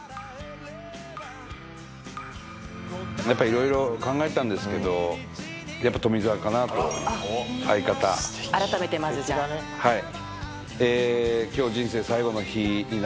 色々考えたんですけどやっぱ富澤かなと相方改めてまずじゃあはい